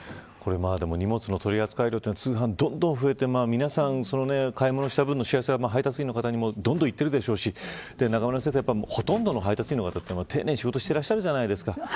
荷物の取り扱いは通販、どんどん増えて皆さんが買い物した分のしわ寄せが配達員に向いているでしょうしほとんどの配達員の方は、丁寧に仕事していらっしゃるじゃないですか。